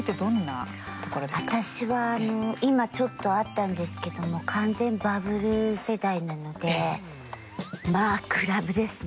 私は今ちょっとあったんですけども完全バブル世代なのでまあクラブですね。